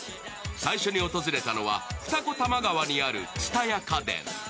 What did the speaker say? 最初に訪れたのは二子玉川にある蔦屋家電。